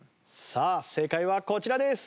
さあ正解はこちらです。